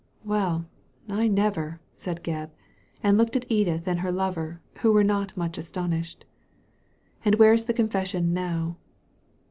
"" Well, I never I '' said Gebb ; and looked at Edith and her lover, who were not much astonished. "And where is the confession now